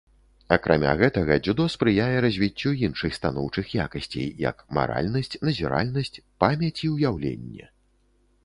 Акрамя гэтага, дзюдо спрыяе развіццю іншых станоўчых якасцей, як маральнасць, назіральнасць, памяць і ўяўленне.